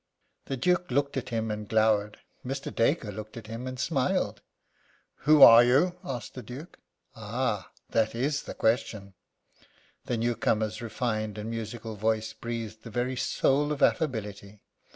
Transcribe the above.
The Duke looked at him, and glowered. Mr. Dacre looked at him, and smiled. "Who are you?" asked the Duke. "Ah that is the question!" The newcomer's refined and musical voice breathed the very soul of affability.